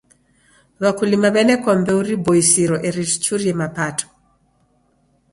W'akuilima w'enekwa mbeu riboisiro eri richurie mapato.